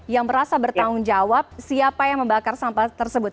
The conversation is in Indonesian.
yang merasa bertanggung jawab siapa yang membakar sampah tersebut